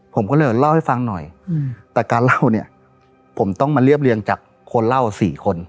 ผมก็เลยเล่าให้ฟังหน่อยแต่การเล่าเนี่ยผมต้องมาเรียบเรียงจากคนเล่า๔คน